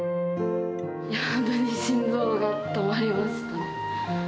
本当に心臓が止まりましたね。